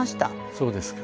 そうですか。